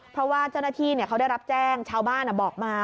เพราะว่าเจ้าหน้าที่เขาได้รับแจ้งชาวบ้านบอกมา